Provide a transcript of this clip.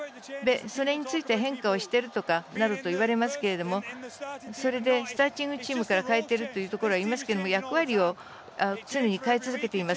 それについて変化しているなどと言われますけれどもそれでスターティングチームから変えているということはありますけど役割を常に変え続けています。